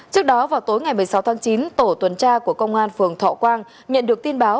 trước đó vào tối ngày một mươi sáu tháng chín tổ tuần tra của công an phường thọ quang nhận được tin báo